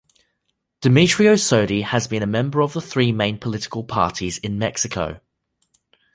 Demetrio Sodi has been a member of the three main political parties in Mexico.